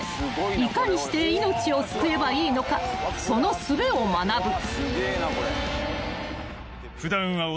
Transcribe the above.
［いかにして命を救えばいいのかそのすべを学ぶ］